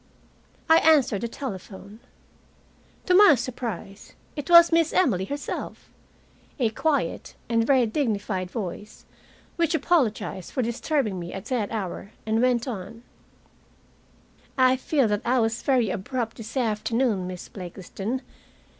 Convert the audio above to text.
I answered the telephone. To my surprise it was Miss Emily herself, a quiet and very dignified voice which apologized for disturbing me at that hour, and went on: "I feel that I was very abrupt this afternoon, Miss Blakiston.